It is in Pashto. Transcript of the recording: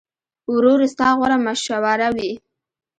ورور ستا غوره مشوره وي.